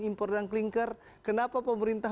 impor dan klingker kenapa pemerintah